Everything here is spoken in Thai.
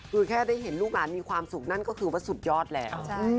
คือแค่ได้เห็นลูกหลานมีความสุขนั่นก็คือว่าสุดยอดแล้ว